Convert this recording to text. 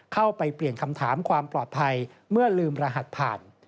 เข้าไปเปลี่ยนคำถามความปลอดภัยเมื่อลืมรหัสผ่าน